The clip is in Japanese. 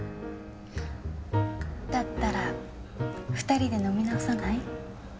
だったら２人で飲み直さない？